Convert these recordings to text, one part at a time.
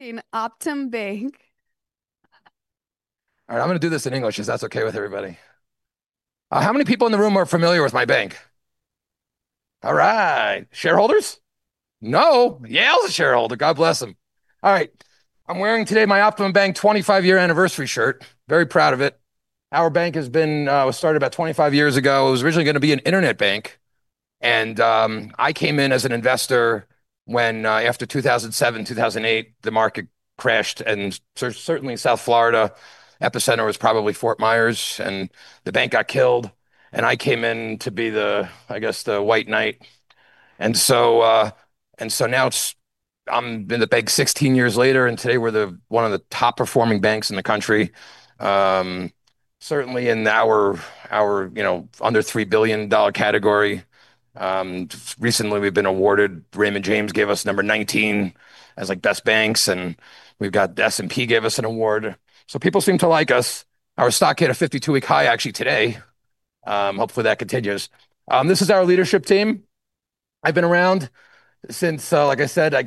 In OptimumBank. I'm going to do this in English, if that's okay with everybody. How many people in the room are familiar with my bank? Shareholders? No. Yale's a shareholder. God bless him. I'm wearing today my OptimumBank 25-year anniversary shirt. Very proud of it. Our bank was started about 25 years ago. It was originally going to be an internet bank. I came in as an investor after 2007, 2008, the market crashed, and certainly South Florida, epicenter was probably Fort Myers, and the bank got killed. I came in to be the, I guess, the white knight. Now, I'm in the bank 16 years later, and today we're one of the top-performing banks in the country. Certainly in our under $3 billion category. Recently we've been awarded. Raymond James gave us number 19 as best banks, and S&P gave us an award. People seem to like us. Our stock hit a 52-week high, actually, today. Hopefully, that continues. This is our leadership team. I've been around since, like I said, I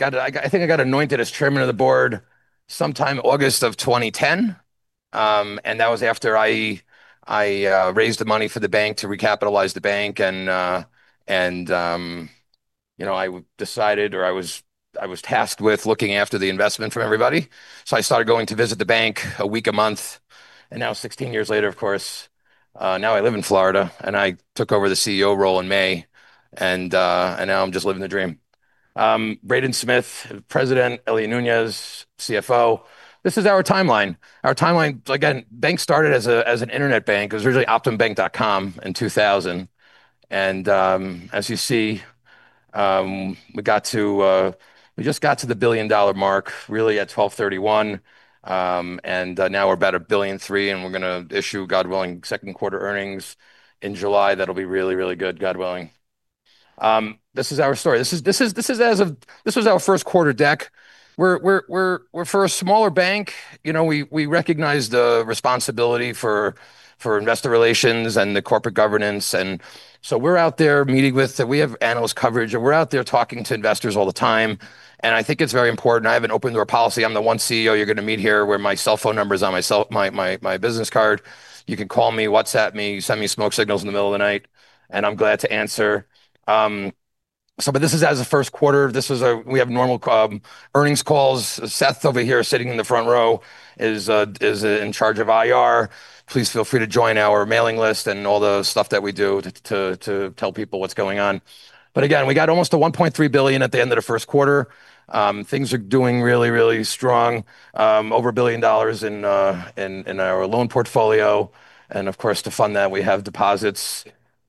think I got anointed as chairman of the board sometime August of 2010, and that was after I raised the money for the bank to recapitalize the bank, and I decided or I was tasked with looking after the investment from everybody. I started going to visit the bank a week, a month, and now 16 years later, of course, now I live in Florida and I took over the CEO role in May, and now I'm just living the dream. Braden Smith, the president. Elliot Nunez, CFO. This is our timeline. Our timeline, again, bank started as an internet bank. It was originally optimumbank.com in 2000. As you see, we just got to the billion-dollar mark really at 1231, and now we're about $1.3 billion, and we're going to issue, God willing, second quarter earnings in July. That'll be really, really good, God willing. This is our story. This was our first quarter deck. We're for a smaller bank. We recognize the responsibility for investor relations and the corporate governance, and so we're out there meeting with-- We have analyst coverage, and we're out there talking to investors all the time, and I think it's very important. I have an open-door policy. I'm the one CEO you're going to meet here where my cell phone number is on my business card. You can call me, WhatsApp me, send me smoke signals in the middle of the night. I'm glad to answer. This is as of first quarter. We have normal earnings calls. Seth over here, sitting in the front row, is in charge of IR. Please feel free to join our mailing list and all the stuff that we do to tell people what's going on. Again, we got almost to $1.3 billion at the end of the first quarter. Things are doing really, really strong. Over $1 billion in our loan portfolio, and of course, to fund that, we have deposits.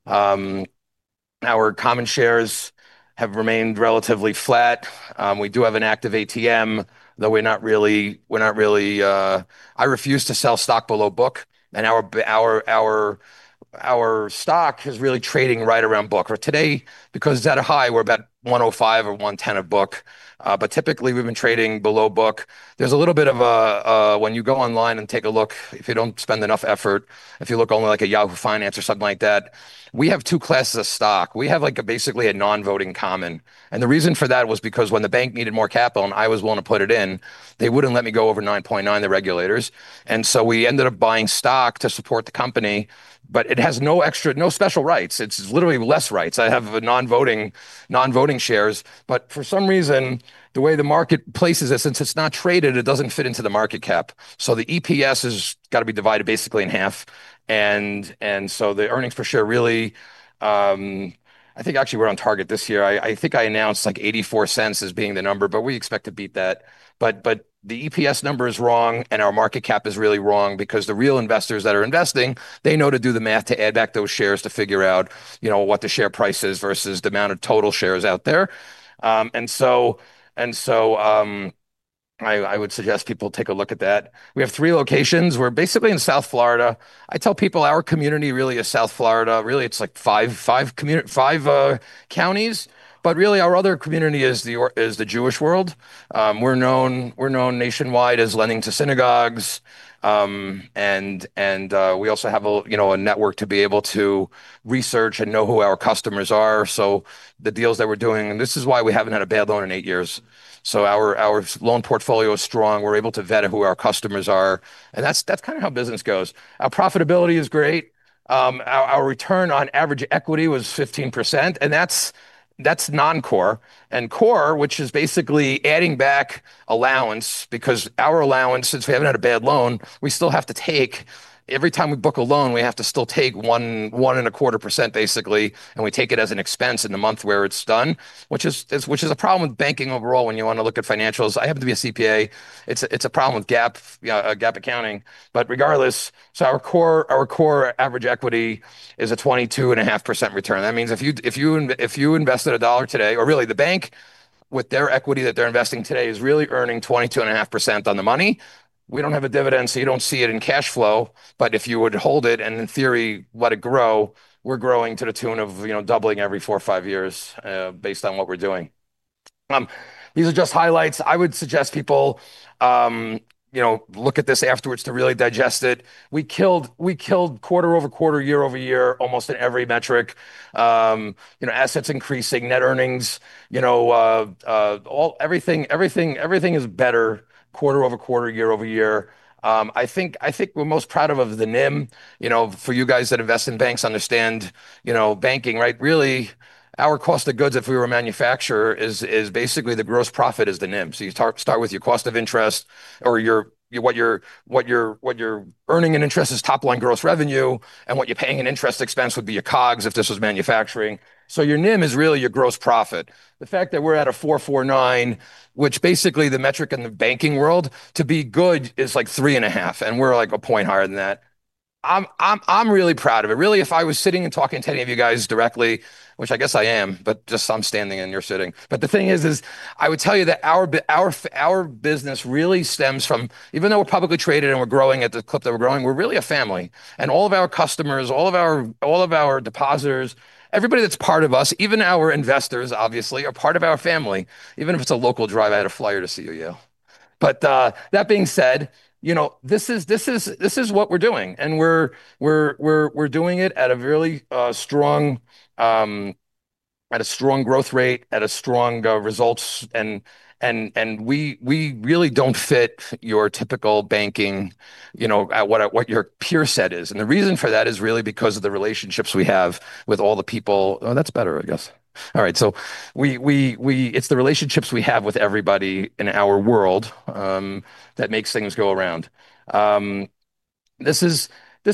Our common shares have remained relatively flat. We do have an active ATM, though we're not really-- I refuse to sell stock below book. Our stock is really trading right around book. Today, because it's at a high, we're about 105 or 110 of book. Typically, we've been trading below book. There's a little bit of a, when you go online and take a look, if you don't spend enough effort, if you look only at Yahoo Finance or something like that, we have two classes of stock. We have basically a non-voting common. The reason for that was because when the bank needed more capital and I was willing to put it in, they wouldn't let me go over 9.9, the regulators. We ended up buying stock to support the company, but it has no special rights. It's literally less rights. I have non-voting shares. For some reason, the way the market places it, since it's not traded, it doesn't fit into the market cap. The EPS has got to be divided basically in half. The earnings per share, really, I think actually we're on target this year. I think I announced like $0.84 as being the number, we expect to beat that. The EPS number is wrong and our market cap is really wrong because the real investors that are investing, they know to do the math to add back those shares to figure out what the share price is versus the amount of total shares out there. I would suggest people take a look at that. We have three locations. We're basically in South Florida. I tell people our community really is South Florida. Really, it's like five counties. Our other community is the Jewish world. We're known nationwide as lending to synagogues. We also have a network to be able to research and know who our customers are, so the deals that we're doing, this is why we haven't had a bad loan in eight years. Our loan portfolio is strong. We're able to vet who our customers are, and that's how business goes. Our profitability is great. Our return on average equity was 15%, and that's non-core. Core, which is basically adding back allowance because our allowance, since we haven't had a bad loan, every time we book a loan, we have to still take one and a quarter percent, basically, and we take it as an expense in the month where it's done, which is a problem with banking overall when you want to look at financials. I happen to be a CPA. It's a problem with GAAP accounting. Regardless, our core average equity is a 22.5% return. That means if you invested a dollar today, or really the bank with their equity that they're investing today is really earning 22.5% on the money. We don't have a dividend, so you don't see it in cash flow. If you were to hold it, and in theory, let it grow, we're growing to the tune of doubling every four or five years, based on what we're doing. These are just highlights. I would suggest people look at this afterwards to really digest it. We killed quarter-over-quarter, year-over-year, almost in every metric. Assets increasing, net earnings. Everything is better quarter-over-quarter, year-over-year. I think we're most proud of the NIM. For you guys that invest in banks understand banking. Really our cost of goods, if we were a manufacturer, is basically the gross profit is the NIM. You start with your cost of interest, or what you're earning in interest is top-line gross revenue, and what you're paying in interest expense would be your COGS if this was manufacturing. Your NIM is really your gross profit. The fact that we're at a 449, which basically the metric in the banking world to be good is, like, 3.5, and we're a point higher than that. I'm really proud of it. Really, if I was sitting and talking to any of you guys directly, which I guess I am, but just I'm standing and you're sitting. The thing is, I would tell you that our business really stems from, even though we're publicly traded and we're growing at the clip that we're growing, we're really a family. All of our customers, all of our depositors, everybody that's part of us, even our investors, obviously, are part of our family. Even if it's a local drive, I had to fly here to see you. That being said, this is what we're doing, and we're doing it at a really strong growth rate, at strong results, and we really don't fit your typical banking, at what your peer set is. The reason for that is really because of the relationships we have with all the people. Oh, that's better, I guess. All right. It's the relationships we have with everybody in our world that makes things go around. This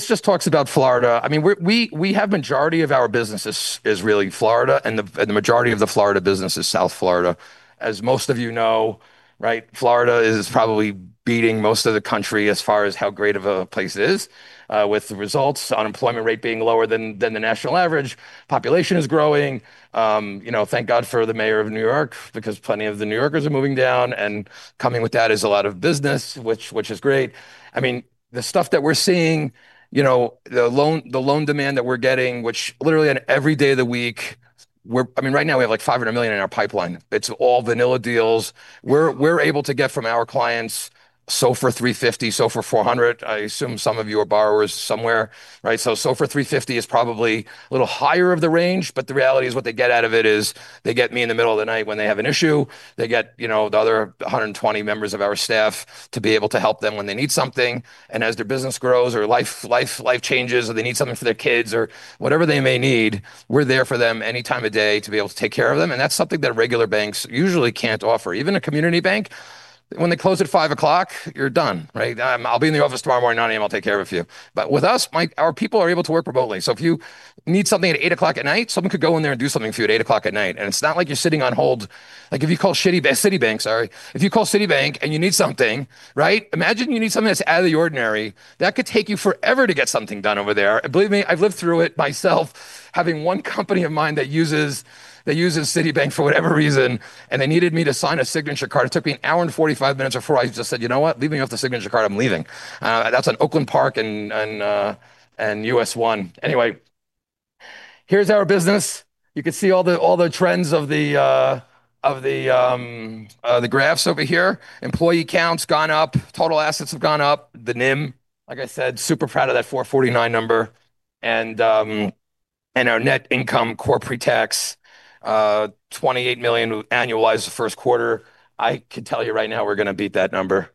just talks about Florida. We have majority of our business is really Florida, the majority of the Florida business is South Florida. As most of you know, Florida is probably beating most of the country as far as how great of a place it is, with the results, unemployment rate being lower than the national average. Population is growing. Thank God for the mayor of New York, because plenty of the New Yorkers are moving down, coming with that is a lot of business, which is great. The stuff that we're seeing, the loan demand that we're getting, which literally on every day of the week, right now we have, like, $500 million in our pipeline. It's all vanilla deals. We're able to get from our clients, SOFR + 350, SOFR + 400. I assume some of you are borrowers somewhere. SOFR + 350 is probably a little higher of the range, the reality is what they get out of it is they get me in the middle of the night when they have an issue. They get the other 120 members of our staff to be able to help them when they need something. As their business grows or life changes or they need something for their kids or whatever they may need, we're there for them any time of day to be able to take care of them. That's something that regular banks usually can't offer. Even a community bank, when they close at 5:00 P.M., you're done. I'll be in the office tomorrow morning, 9:00 A.M., I'll take care of you. With us, our people are able to work remotely. If you need something at 8:00 P.M., someone could go in there and do something for you at 8:00 P.M. It's not like you're sitting on hold. If you call Citibank and you need something. Imagine you need something that's out of the ordinary. That could take you forever to get something done over there. Believe me, I've lived through it myself, having one company of mine that uses Citibank for whatever reason, and they needed me to sign a signature card. It took me 1 hour and 45 minutes before I just said, "You know what? Leave me off the signature card. I'm leaving." That's on Oakland Park and US 1. Here's our business. You can see all the trends of the graphs over here. Employee count's gone up. Total assets have gone up. The NIM, like I said, super proud of that 449. Our net income, core pre-tax, $28 million annualize the first quarter. I could tell you right now we're going to beat that number.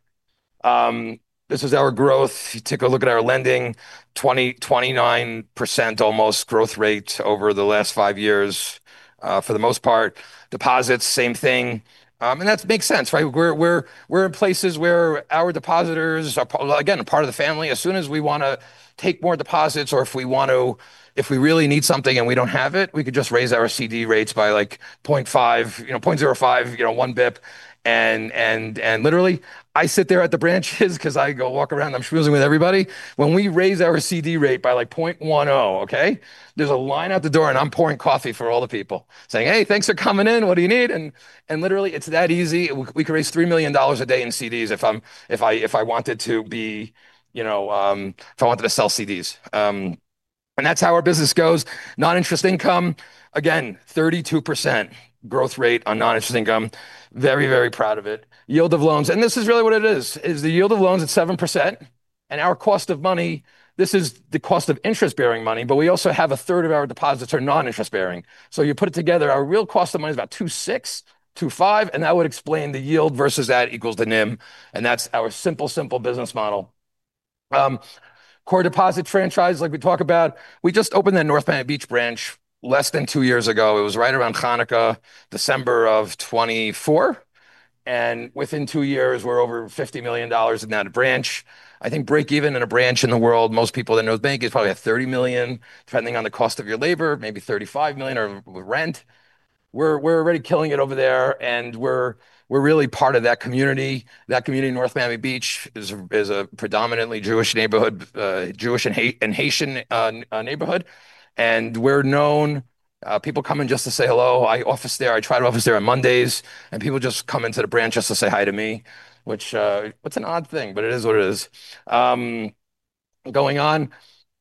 This is our growth. If you take a look at our lending, 29%, almost, growth rate over the last five years. For the most part, deposits, same thing. That makes sense. We're in places where our depositors are, again, a part of the family. As soon as we want to take more deposits, or if we really need something and we don't have it, we could just raise our CD rates by, like, 0.5%, 0.05%, 1 BPS. Literally, I sit there at the branches because I go walk around, I'm schmoozing with everybody. When we raise our CD rate by 0.10%, there's a line out the door and I'm pouring coffee for all the people saying, "Hey, thanks for coming in. What do you need?" Literally, it's that easy. We could raise $3 million a day in CDs if I wanted to sell CDs. That's how our business goes. Non-interest income, again, 32% growth rate on non-interest income. Very, very proud of it. Yield of loans, and this is really what it is the yield of loans at 7%. Our cost of money, this is the cost of interest-bearing money, but we also have a third of our deposits are non-interest-bearing. You put it together, our real cost of money is about 2.6%, 2.5%, and that would explain the yield versus that equals the NIM, and that's our simple business model. Core deposit franchise, like we talk about. We just opened that North Miami Beach branch less than two years ago. It was right around Hanukkah, December of 2024, and within two years, we're over $50 million in that branch. I think break even in a branch in the world, most people that know bank is probably at $30 million, depending on the cost of your labor, maybe $35 million with rent. We're already killing it over there, and we're really part of that community. That community, North Miami Beach, is a predominantly Jewish neighborhood, Jewish and Haitian neighborhood, and we're known. People come in just to say hello. I office there. I try to office there on Mondays, and people just come into the branch just to say hi to me, which it's an odd thing, but it is what it is.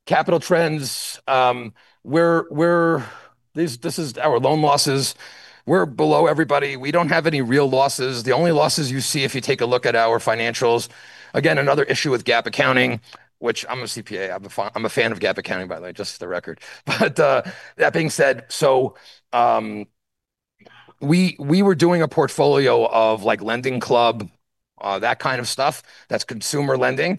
Capital trends. This is our loan losses. We're below everybody. We don't have any real losses. The only losses you see if you take a look at our financials, again, another issue with GAAP accounting, which I'm a CPA, I'm a fan of GAAP accounting, by the way, just for the record. That being said, we were doing a portfolio of LendingClub, that kind of stuff. That's consumer lending.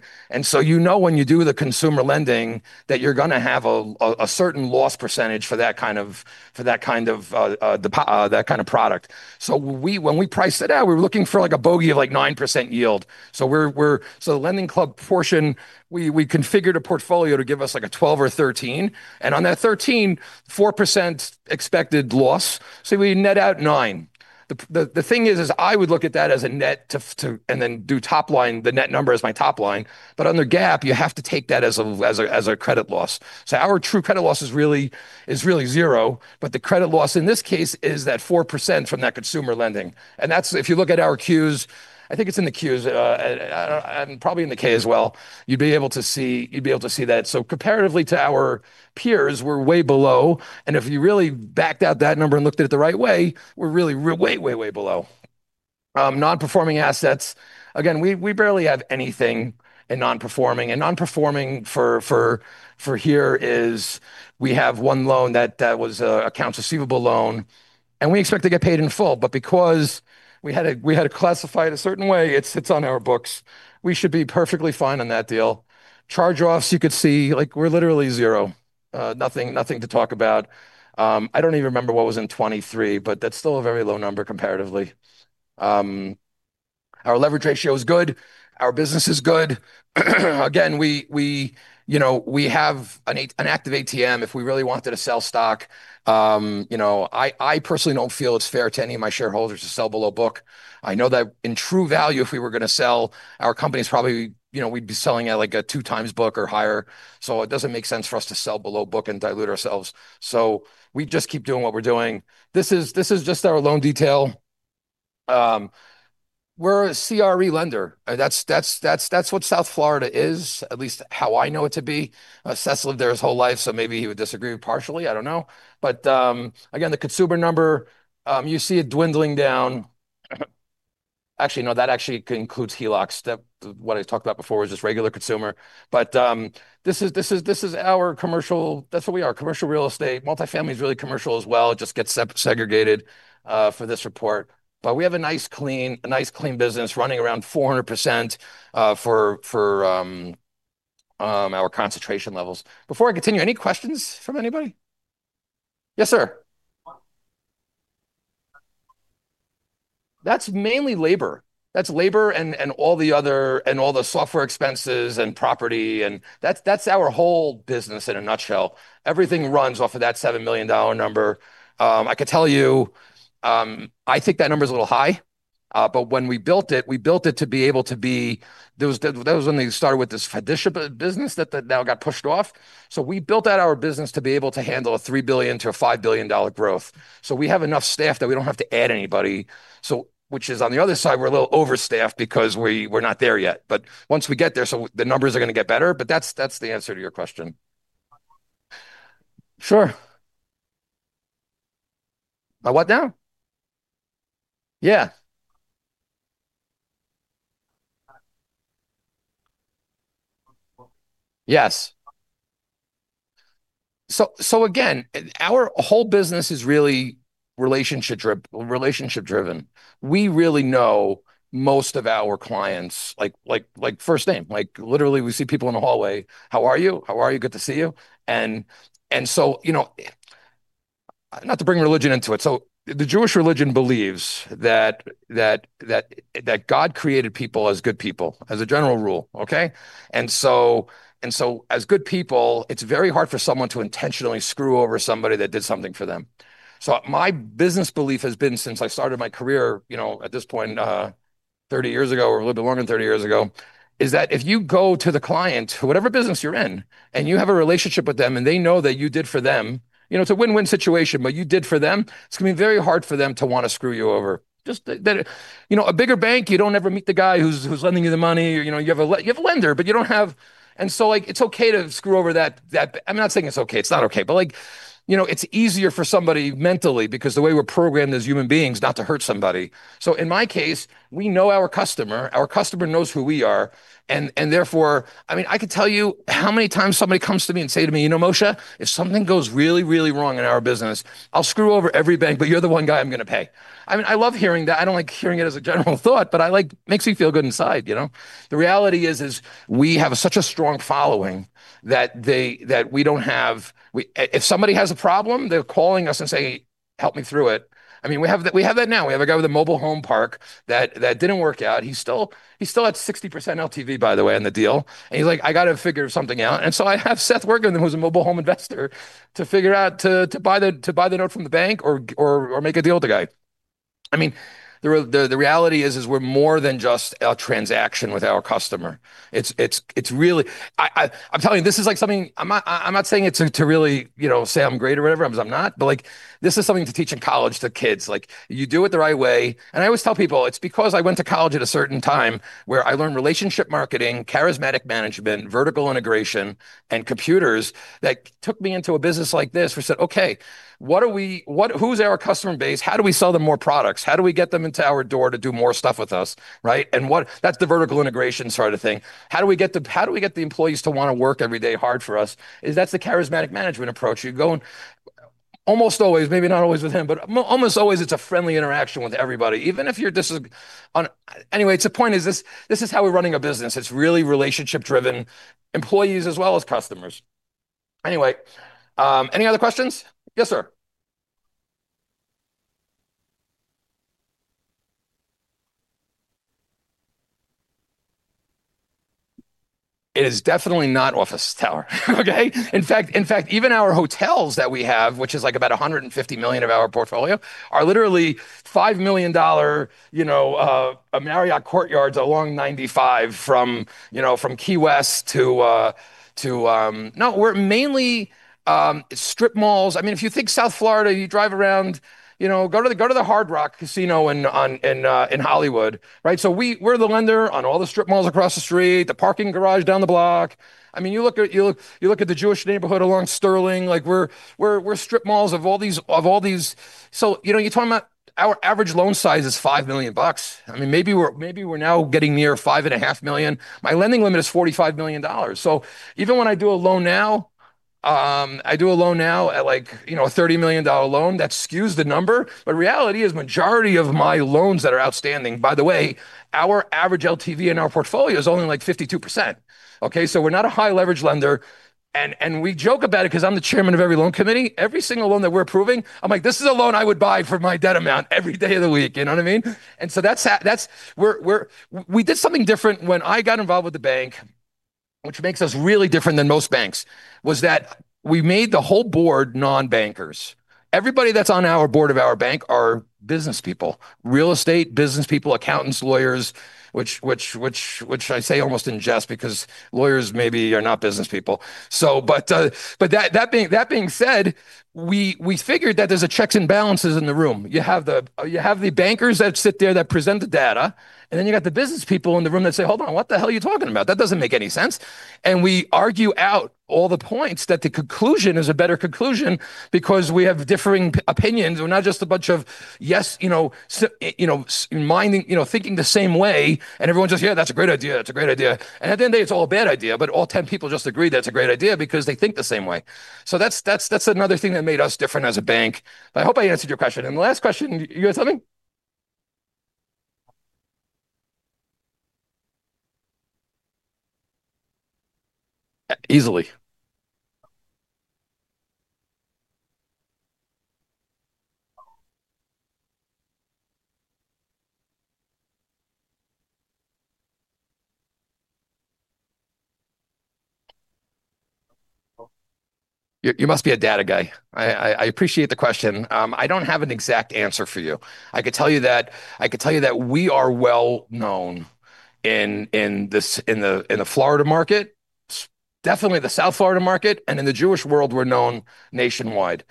You know when you do the consumer lending that you're going to have a certain loss percentage for that kind of product. When we priced it out, we were looking for a bogey of 9% yield. The LendingClub portion, we configured a portfolio to give us a 12 or 13. On that 13, 4% expected loss. We net out nine. The thing is, I would look at that as a net and then do top line, the net number as my top line. Under GAAP, you have to take that as a credit loss. Our true credit loss is really zero. The credit loss in this case is that 4% from that consumer lending. If you look at our Qs, I think it's in the Qs, and probably in the K as well, you'd be able to see that. Comparatively to our peers, we're way below. If you really backed out that number and looked at it the right way, we're really way below. Non-performing assets. Again, we barely have anything in non-performing. Non-performing for here is we have one loan that was an accounts receivable loan, and we expect to get paid in full, but because we had to classify it a certain way, it sits on our books. We should be perfectly fine on that deal. Charge-offs, you could see we're literally zero. Nothing to talk about. I don't even remember what was in 2023, that's still a very low number comparatively. Our leverage ratio is good. Our business is good. Again, we have an active ATM if we really wanted to sell stock. I personally don't feel it's fair to any of my shareholders to sell below book. I know that in true value if we were going to sell, our company's probably, we'd be selling at a two times book or higher. It doesn't make sense for us to sell below book and dilute ourselves. We just keep doing what we're doing. This is just our loan detail. We're a CRE lender. That's what South Florida is, at least how I know it to be. Seth's lived there his whole life, maybe he would disagree partially, I don't know. Again, the consumer number, you see it dwindling down. Actually, no, that actually includes HELOCs. What I talked about before was just regular consumer. This is our commercial. That's what we are, commercial real estate. Multifamily is really commercial as well, it just gets segregated for this report. We have a nice clean business running around 400% for our concentration levels. Before I continue, any questions from anybody? Yes, sir. That's mainly labor. That's labor and all the software expenses and property, that's our whole business in a nutshell. Everything runs off of that $7 million number. I could tell you, I think that number's a little high. When we built it, we built it to be able to be That was when they started with this Fidesha business that now got pushed off. We built out our business to be able to handle a $3 billion-$5 billion growth. We have enough staff that we don't have to add anybody. Which is on the other side, we're a little overstaffed because we're not there yet. Once we get there, the numbers are going to get better, but that's the answer to your question. Sure. A what now? Yeah. Yes. Again, our whole business is really relationship-driven. We really know most of our clients, like first name. Literally, we see people in the hallway, "How are you? Good to see you." Not to bring religion into it, the Jewish religion believes that God created people as good people, as a general rule, okay? As good people, it's very hard for someone to intentionally screw over somebody that did something for them. My business belief has been since I started my career, at this point, 30 years ago, or a little bit more than 30 years ago, is that if you go to the client, whatever business you're in, and you have a relationship with them and they know that you did for them, it's a win-win situation, but you did for them, it's going to be very hard for them to want to screw you over. Just that a bigger bank, you don't ever meet the guy who's lending you the money. You have a lender, but you don't have. It's okay to screw over that I'm not saying it's okay. It's not okay. It's easier for somebody mentally, because the way we're programmed as human beings not to hurt somebody. In my case, we know our customer, our customer knows who we are, and therefore, I could tell you how many times somebody comes to me and say to me, "You know, Moishe, if something goes really wrong in our business, I'll screw over every bank, but you're the one guy I'm going to pay." I love hearing that. I don't like hearing it as a general thought, but it makes me feel good inside. The reality is we have such a strong following that we don't have. If somebody has a problem, they're calling us and say, "Help me through it." We have that now. We have a guy with a mobile home park that didn't work out. He still had 60% LTV, by the way, on the deal. He's like, "I got to figure something out." I have Seth working, who's a mobile home investor, to figure out to buy the note from the bank or make a deal with the guy. The reality is we're more than just a transaction with our customer. I'm not saying it to really say I'm great or whatever, because I'm not, but this is something to teach in college to kids. You do it the right way. I always tell people it's because I went to college at a certain time where I learned relationship marketing, charismatic management, vertical integration, and computers that took me into a business like this, where I said, "Okay, who's our customer base? How do we sell them more products? How do we get them into our door to do more stuff with us?" Right? That's the vertical integration sort of thing. How do we get the employees to want to work every day hard for us? That's the charismatic management approach. You go, almost always, maybe not always with him, but almost always it's a friendly interaction with everybody. The point is this is how we're running a business. It's really relationship driven, employees as well as customers. Any other questions? Yes, sir. It is definitely not office tower, okay? In fact, even our hotels that we have, which is about $150 million of our portfolio, are literally $5 million Marriott Courtyards along 95 from Key West to. We're mainly strip malls. If you think South Florida, you drive around. Go to the Hard Rock Casino in Hollywood. We're the lender on all the strip malls across the street, the parking garage down the block. You look at the Jewish neighborhood along Sterling, we're strip malls of all these. You're talking about our average loan size is $5 million bucks. Maybe we're now getting near $5.5 million. My lending limit is $45 million. Even when I do a loan now, I do a loan now at a $30 million loan, that skews the number. Reality is, majority of my loans that are outstanding, by the way, our average LTV in our portfolio is only 52%. Okay. We're not a high leverage lender. We joke about it because I'm the chairman of every loan committee. Every single loan that we're approving, I'm like, "This is a loan I would buy for my debt amount every day of the week." You know what I mean? We did something different when I got involved with the bank, which makes us really different than most banks, was that we made the whole board non-bankers. Everybody that's on our board of our bank are business people, real estate business people, accountants, lawyers, which I say almost in jest because lawyers maybe are not business people. That being said, we figured that there's a checks and balances in the room. You have the bankers that sit there that present the data, you got the business people in the room that say, "Hold on, what the hell are you talking about? That doesn't make any sense." We argue out all the points that the conclusion is a better conclusion because we have differing opinions. We're not just a bunch of thinking the same way and everyone's just, "Yeah, that's a great idea. That's a great idea." At the end of the day, it's all a bad idea, but all 10 people just agreed that's a great idea because they think the same way. That's another thing that made us different as a bank. I hope I answered your question. The last question, you got something? Easily. You must be a data guy. I appreciate the question. I don't have an exact answer for you. I could tell you that we are well known in the Florida market, definitely the South Florida market, in the Jewish world, we're known nationwide.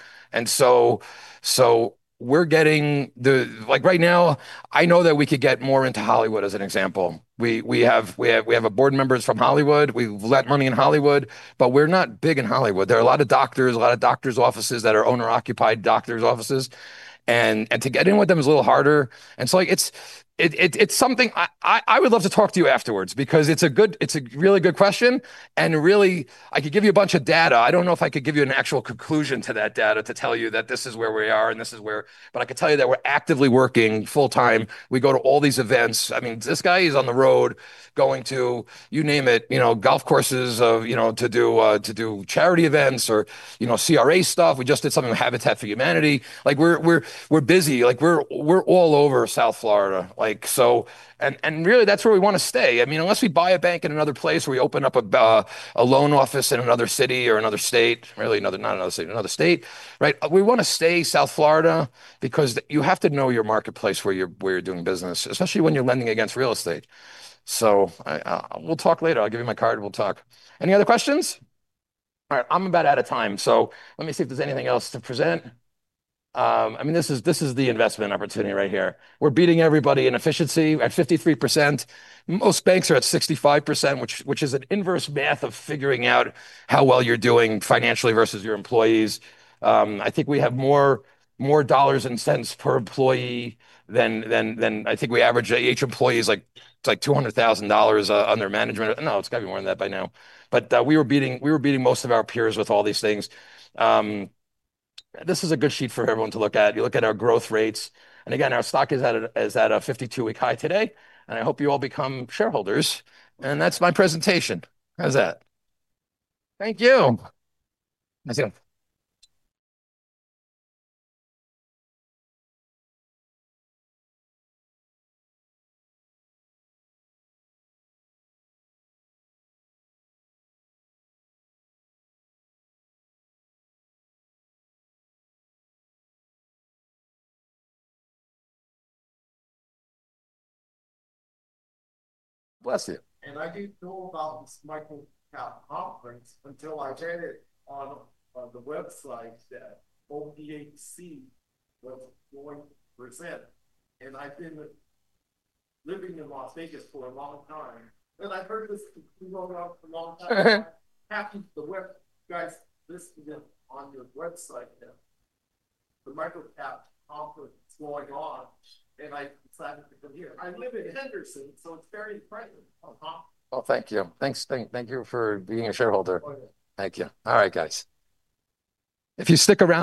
Right now, I know that we could get more into Hollywood, as an example. We have board members from Hollywood. We've lent money in Hollywood, but we're not big in Hollywood. There are a lot of doctors, a lot of doctors' offices that are owner-occupied doctors' offices, and to get in with them is a little harder. I would love to talk to you afterwards because it's a really good question, and really, I could give you a bunch of data. I don't know if I could give you an actual conclusion to that data to tell you that this is where we are. I could tell you that we're actively working full time. We go to all these events. This guy is on the road going to, you name it, golf courses to do charity events or CRA stuff. We just did something with Habitat for Humanity. We're busy. We're all over South Florida. Really, that's where we want to stay. Unless we buy a bank in another place or we open up a loan office in another city or another state, really not another state, another state. We want to stay South Florida because you have to know your marketplace where you're doing business, especially when you're lending against real estate. We'll talk later. I'll give you my card and we'll talk. Any other questions? All right. I'm about out of time. Let me see if there's anything else to present. This is the investment opportunity right here. We're beating everybody in efficiency at 53%. Most banks are at 65%, which is an inverse math of figuring out how well you're doing financially versus your employees. I think we have more dollars and cents per employee than I think we average each employee is like $200,000 under management. No, it's got to be more than that by now. We were beating most of our peers with all these things. This is a good sheet for everyone to look at. You look at our growth rates, and again, our stock is at a 52-week high today, and I hope you all become shareholders. That's my presentation. How's that? Thank you. Nice to see you. Bless it. I didn't know about this MicroCap Conference until I read it on the website that OPHC was going to present, and I've been living in Las Vegas for a long time, and I've heard this going on for a long time. Happy to, guys listed it on your website there, the MicroCap Conference going on, and I decided to come here. I live in Henderson. It's very friendly. Oh, thank you. Thanks. Thank you for being a shareholder. Oh, yeah. Thank you. All right, guys. If you stick around.